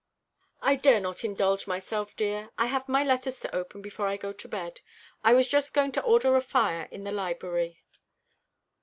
"I dare not indulge myself, dear; I have my letters to open before I go to bed. I was just going to order a fire in the library."